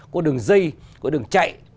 có đường dây có đường chạy